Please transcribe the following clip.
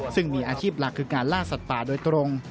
ซึ่งมีอาชีพหลักคือการล่าสัตว์ป่าโดยตรง